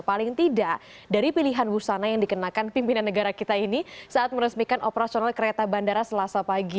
paling tidak dari pilihan busana yang dikenakan pimpinan negara kita ini saat meresmikan operasional kereta bandara selasa pagi